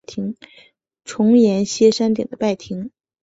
重檐歇山顶的拜亭。